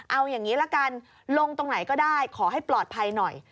เอาอย่างนี้ละกันลงตรงไหนก็ได้ขอให้ปลอดภัยหน่อย